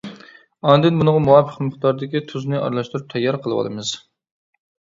ئاندىن بۇنىڭغا مۇۋاپىق مىقداردىكى تۇزنى ئارىلاشتۇرۇپ تەييار قىلىۋالىمىز.